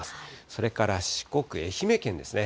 それから四国、愛媛県ですね。